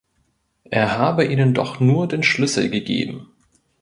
Er habe ihnen doch nur den Schlüssel gegeben.